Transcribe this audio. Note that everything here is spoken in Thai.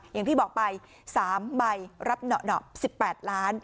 อย่างที่บอกไป๓ใบรับเหนาะ๑๘ล้าน